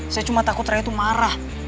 saya cuma takut saya itu marah